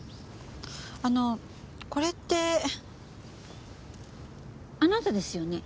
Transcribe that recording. あのこれってあなたですよね？